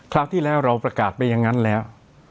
คราวที่แล้วเราประกาศไปอย่างนั้นแล้ว